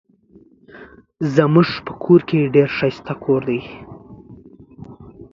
زمونږ په کور کې ډير ښايسته کوور دي